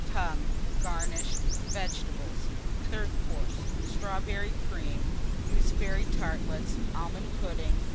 Tongue, garnished. Vegetables. THIRD COURSE. Strawberry Cream. Gooseberry Tartlets. Almond Pudding.